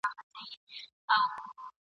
انګرېزان مړه سوي ول.